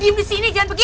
diem disini jangan pergi